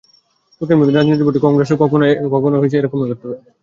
দক্ষিণপন্থী রাজনীতি তো বটেই, কংগ্রেসও এখানে কখনো তেমন একটা দাঁত ফোটাতে পারেনি।